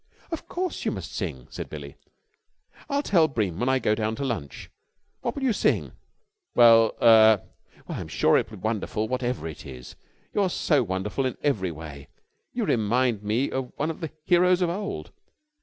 "Of course you must sing," said Billie. "I'll tell Bream when I go down to lunch. What will you sing?" "Well er " "Well, I'm sure it will be wonderful whatever it is. You are so wonderful in every way. You remind me of one of the heroes of old!"